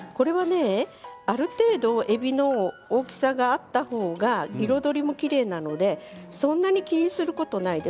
ある程度えびの大きさがあったほうが彩りもきれいなので、そんなに気にすることはありません。